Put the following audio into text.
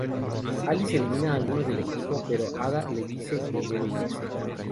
Alice elimina a algunos del equipo pero Ada le dice que debe irse.